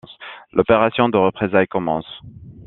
L’opération de représailles commence.